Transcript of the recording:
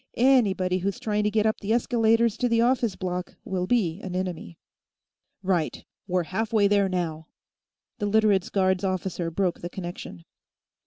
Anybody who's trying to get up the escalators to the office block will be an enemy." "Right. We're halfway there now." The Literates' Guards officer broke the connection.